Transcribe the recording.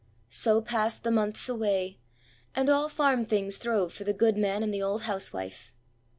So passed the months away, and all farm things throve for the goodman and the old housewife.